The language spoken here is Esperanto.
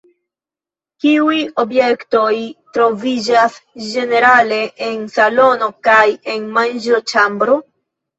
Kiuj objektoj troviĝas ĝenerale en salono kaj en manĝoĉambro?